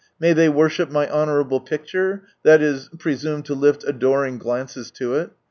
" May they worship my honourable picture?" i>., presume to lift adoring glances to it.